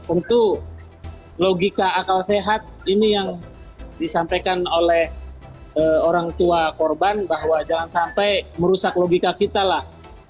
untuk logika akal sehat ini yang disampaikan oleh orang tua korban bahwa jangan sampai merusak logika kita lah